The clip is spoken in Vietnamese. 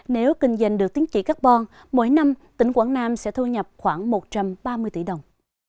nếu kinh doanh được tiến trị carbon mỗi năm tỉnh quảng nam sẽ thu nhập khoảng một trăm ba mươi tỷ đồng